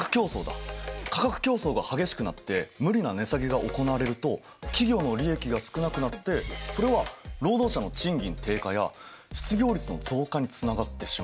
価格競争が激しくなって無理な値下げが行われると企業の利益が少なくなってそれは労働者の賃金低下や失業率の増加につながってしまう。